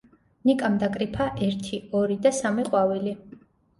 ნიკამ დაკრიფა ერთი, ორი და სამი ყვავილი.